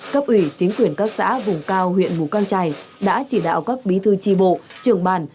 cấp ủy chính quyền các xã vùng cao huyện mù căng trải đã chỉ đạo các bí thư tri bộ trưởng bàn